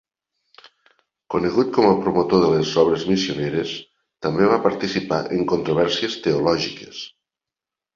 Conegut com a promotor de les obres missioneres, també va participar en controvèrsies teològiques.